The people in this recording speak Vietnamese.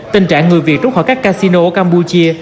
tình trạng người việt rút khỏi các casino ở campuchia